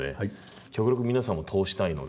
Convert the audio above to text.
極力皆さんを通したいので。